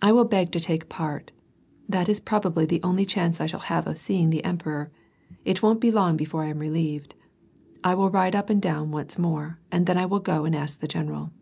"I will beg to take part, ^That is probably the only chance I shall have of seeing the emperor. It won't be long before I am relieved. I will ride up and down once more, and then I will go and ask the general."